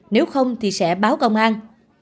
nếu không thì sẽ báo công an